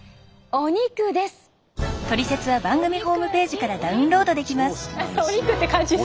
お肉って感じする。